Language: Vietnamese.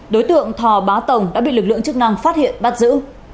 đối tượng thò bá tồng đã bị lực lượng chức năng phát hiện bắt giữ